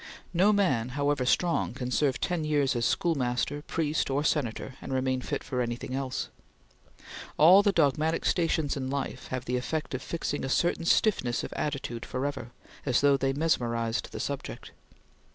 No man, however strong, can serve ten years as schoolmaster, priest, or Senator, and remain fit for anything else. All the dogmatic stations in life have the effect of fixing a certain stiffness of attitude forever, as though they mesmerized the subject.